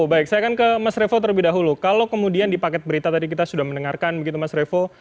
baik saya akan ke mas revo terlebih dahulu kalau kemudian di paket berita tadi kita sudah mendengarkan begitu mas revo